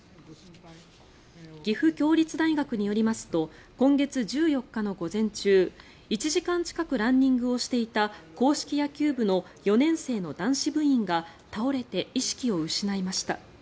岐阜協立大学によりますと今月１４日の午前中１時間近くランニングをしていた硬式野球部の４年生の男子部員が倒れて意識を失いました。